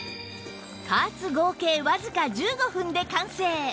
加圧合計わずか１５分で完成